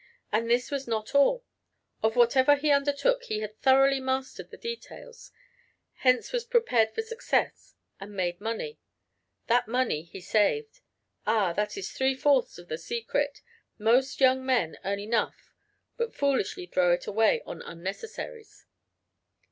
And this was not all; of whatever he undertook he had thoroughly mastered the details, hence was prepared for success and made money; that money he saved. Ah! that is three fourths of the secret. Most young men earn enough but foolishly throw it away on unnecessaries.